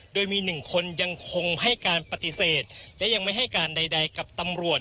โดยมี๑คนยังคงให้การปฏิเสธและยังไม่ให้การใดกับตำรวจ